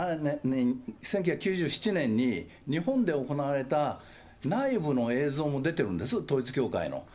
１９９７年に、日本で行われた内部の映像も出てるんです、統一教会の。